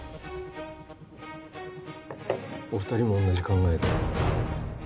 お二人も同じ考えで？